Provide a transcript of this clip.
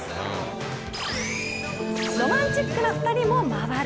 ロマンチックな２人も回る。